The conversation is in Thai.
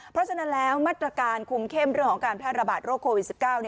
เพราะฉะนั้นแล้วมาตรการคุมเข้มเรื่องของการแพร่ระบาดโรคโควิด๑๙